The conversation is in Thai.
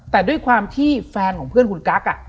แต่ด้วยความที่แฟนของเพื่อนคุณกั๊ก